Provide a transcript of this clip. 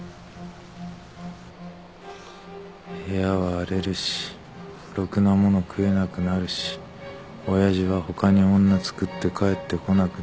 部屋は荒れるしろくなもの食えなくなるし親父は他に女つくって帰ってこなくなるし。